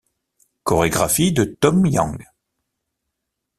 Chorégraphie de Tom Yang.